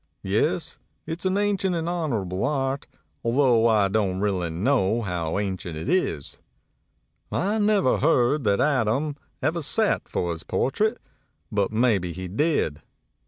Yes, it's an ancient and honorable art, altho I don't really know how ancient it is. I never heard that Adam ever sat for his portrait but maybe he did.